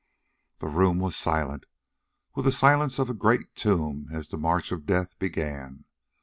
The room was silent with the silence of a great tomb as the march of death began.